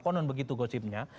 konon begitu gosipnya